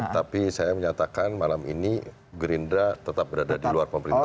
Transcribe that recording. tapi saya menyatakan malam ini gerindra tetap berada di luar pemerintahan